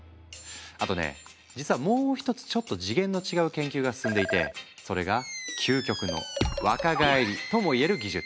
あとね実はもう一つちょっと次元の違う研究が進んでいてそれが究極の若返りともいえる技術。